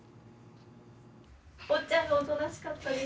・おっちゃんがおとなしかったです。